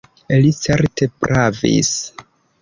Li certe pravis.